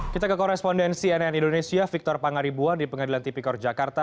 kita ke korespondensi nn indonesia victor pangaribuan di pengadilan tipikor jakarta